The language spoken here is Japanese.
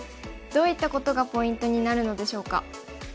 どういったことがポイントになるのでしょうか。